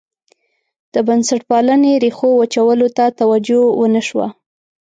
د بنسټپالنې ریښو وچولو ته توجه ونه شوه.